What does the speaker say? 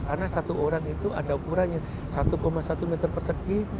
karena satu orang itu ada ukurannya satu satu meter persegi